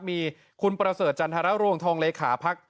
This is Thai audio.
มีคุณประเสริฐจันทรรวงทองเลขาพัก